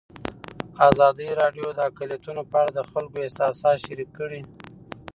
ازادي راډیو د اقلیتونه په اړه د خلکو احساسات شریک کړي.